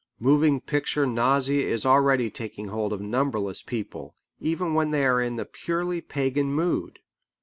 Moving picture nausea is already taking hold of numberless people, even when they are in the purely pagan mood.